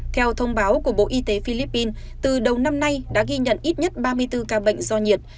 theo thông báo của bộ y tế philippines từ đầu năm nay đã ghi nhận ít nhất ba mươi bốn ca bệnh do nhiệt